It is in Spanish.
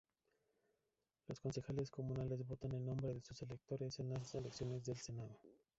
Los Concejales Comunales votan en nombre de sus electores en las elecciones del Senado.